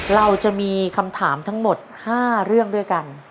เราจะมีคำถามทั้งหมด๕เรื่องด้วยกัน